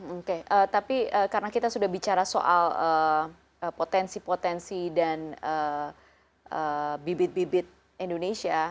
oke tapi karena kita sudah bicara soal potensi potensi dan bibit bibit indonesia